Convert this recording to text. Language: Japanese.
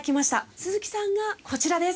鈴木さんがこちらです。